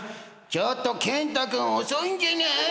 ちょっと健太君遅いんじゃない？